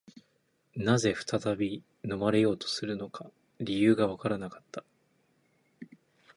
何故再び飲まれようとするのか、理由がわからなかった